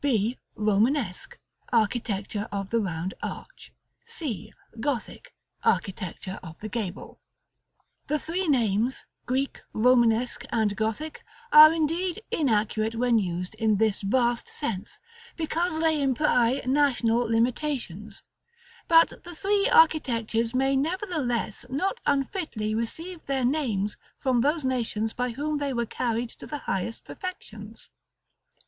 B, Romanesque: Architecture of the Round Arch. C, Gothic: Architecture of the Gable. [Illustration: Fig. XI.] The three names, Greek, Romanesque, and Gothic, are indeed inaccurate when used in this vast sense, because they imply national limitations; but the three architectures may nevertheless not unfitly receive their names from those nations by whom they were carried to the highest perfections.